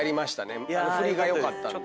振りがよかったんで。